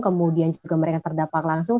kemudian juga mereka yang terdapat langsung